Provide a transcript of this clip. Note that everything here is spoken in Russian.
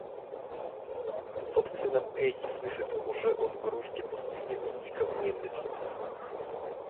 В собственном эхе слышит уже он грусть и пустыню и дико внемлет ему.